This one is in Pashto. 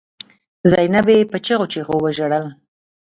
زينبې په چيغو چيغو وژړل.